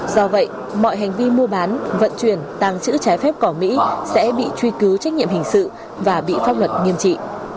do vậy mọi hành vi mua bán vận chuyển tàng trữ trái phép cỏ mỹ sẽ bị truy cứu trách nhiệm hình sự và bị pháp luật nghiêm trị